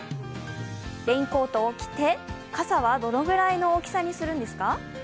レインコートを着て、傘はどのくらいの大きさにするんですか？